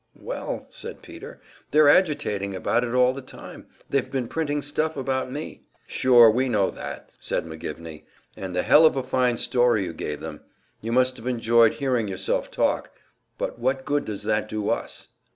"Well," said Peter, "they're agitating about it all the time; they've been printing stuff about me." "Sure, we know that," said McGivney. "And the hell of a fine story you gave them; you must have enjoyed hearing yourself talk. But what good does that do us?"